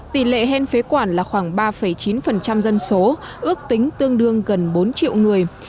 tỷ lệ hen phế quản là khoảng ba chín dân số ước tính tương đương gần bốn triệu người